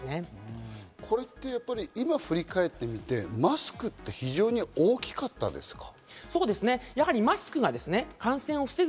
これって今、振り返ってみて、マスクって非常に大きかったですか？